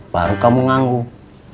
baru kamu ngangguk